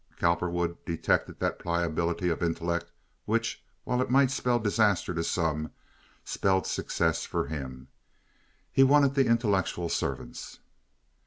Cowperwood detected that pliability of intellect which, while it might spell disaster to some, spelled success for him. He wanted the intellectual servants.